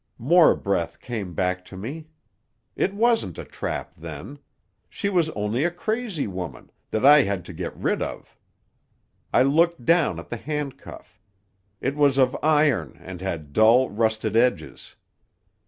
"More breath came back to me. It wasn't a trap, then. She was only a crazy woman, that I had to get rid of. I looked down at the handcuff. It was of iron, and had dull rusted edges.